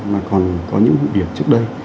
mà còn có những vụ việc trước đây